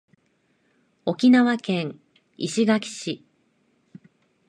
沖縄県石垣市